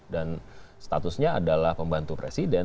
dan statusnya adalah pembantu presiden